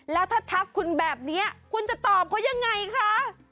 แล้วถ้าทักคุณแบบนี้คุณจะตอบเขายังไงคะ